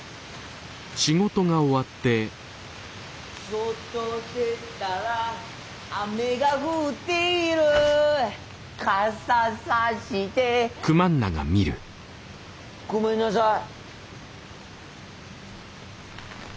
「外出たら雨が降っている」「傘さして」ごめんなさい。